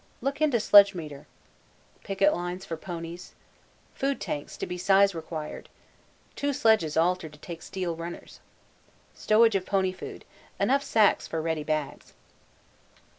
Look into sledgemeter. Picket lines for ponies. Food tanks to be size required. Two sledges altered to take steel runners. Stowage of pony food. Enough sacks for ready bags.